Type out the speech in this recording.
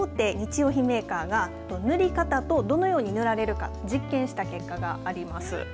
用品メーカーが塗り方とどのように塗られるか実験した結果があります。